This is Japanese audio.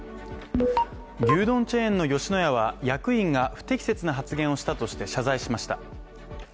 牛丼チェーンの吉野家は、役員が不適切な発言をしたとして謝罪しました。